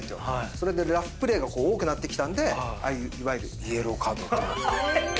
それでラフプレーが多くなってきたんでいわゆるイエローカードが。え！